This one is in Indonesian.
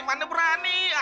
mana berani ya